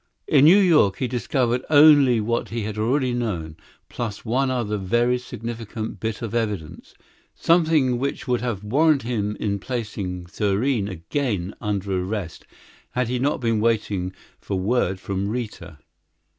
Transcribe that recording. In New York he discovered only what he had already known, plus one other very significant bit of evidence something which would have warranted him in placing Thurene again under arrest had he not been waiting for word from Rita.